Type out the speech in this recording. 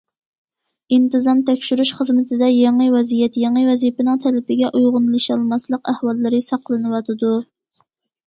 ئىنتىزام تەكشۈرۈش خىزمىتىدە يېڭى ۋەزىيەت، يېڭى ۋەزىپىنىڭ تەلىپىگە ئۇيغۇنلىشالماسلىق ئەھۋاللىرى ساقلىنىۋاتىدۇ.